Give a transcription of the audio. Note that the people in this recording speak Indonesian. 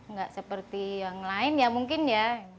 nggak seperti yang lain ya mungkin ya